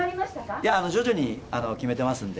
いや、徐々に決めてますんで。